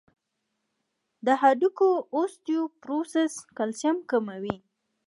د هډوکو اوسټيوپوروسس کلسیم کموي.